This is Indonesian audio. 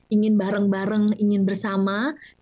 ingin bareng bareng ingin bersama